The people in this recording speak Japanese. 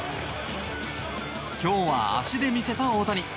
今日は足で見せた大谷。